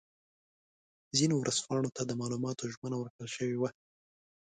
ځینو ورځپاڼو ته د معلوماتو ژمنه ورکړل شوې وه.